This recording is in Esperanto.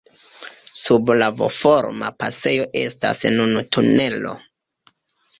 Sub la V-forma pasejo estas nun tunelo.